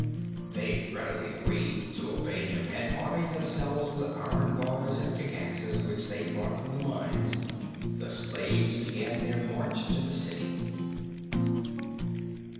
They readily agreed to obey him, and, arming themselves with iron bars and pick axes which they brought from the mines, the slaves began their march to the city.